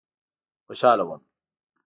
خوشاله وم.